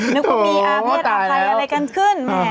นึกว่ามีอาเมฆเอาคลายอะไรกันขึ้นแหม